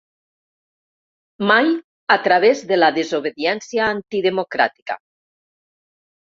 Mai a través de la desobediència antidemocràtica.